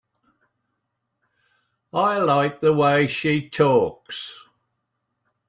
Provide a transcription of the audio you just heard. I like the way she talks.